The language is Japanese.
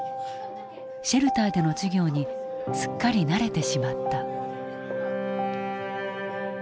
シェルターでの授業にすっかり慣れてしまった。